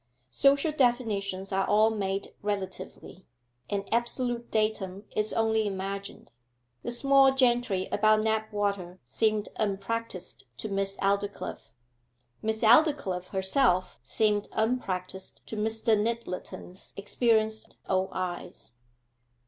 Social definitions are all made relatively: an absolute datum is only imagined. The small gentry about Knapwater seemed unpractised to Miss Aldclyffe, Miss Aldclyffe herself seemed unpractised to Mr. Nyttleton's experienced old eyes.